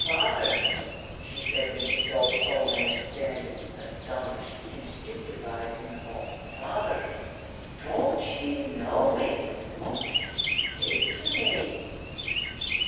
"Father," she said when she saw the old man standing astonished and stupified in the hall, "father, don't ye know me won't ye spake to me?"